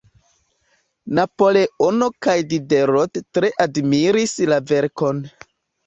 Napoleono kaj Diderot tre admiris la verkon.